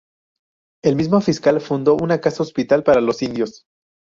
El mismo fiscal fundó una casa hospital para los indios.